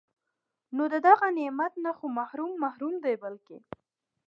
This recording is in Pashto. نو د دغه نعمت نه خو محروم محروم دی بلکي